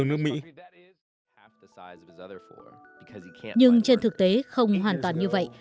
nhưng trên thực tế không hoàn toàn như vậy